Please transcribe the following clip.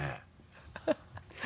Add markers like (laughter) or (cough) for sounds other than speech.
ハハハ (laughs)